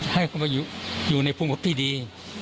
ให้เขาไปอยู่ในภูมิพบตรี